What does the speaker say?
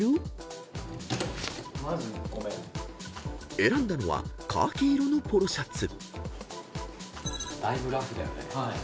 ［選んだのはカーキ色のポロシャツ］だいぶラフだよね。